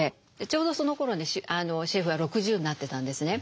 ちょうどそのころシェフは６０になってたんですね。